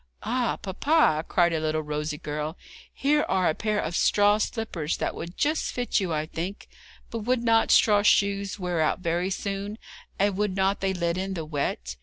'Ah, papa,' cried a little rosy girl, 'here are a pair of straw slippers that would just fit you, I think; but would not straw shoes wear out very soon, and would not they let in the wet?'